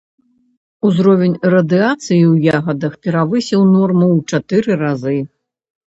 Узровень радыяцыі ў ягадах перавысіў норму ў чатыры разы.